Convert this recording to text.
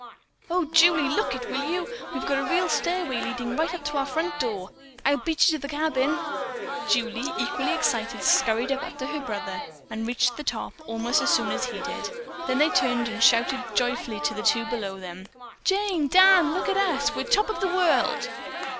"Oh, Julie, look it, will you! We've got a real stairway leading right up to our front door. I'll beat you to the cabin." Julie, equally excited, scurried up after her brother and reached the top almost as soon as he did. Then they turned and shouted joyfully to the two below them: "Jane! Dan! Look at us! We're top of the world."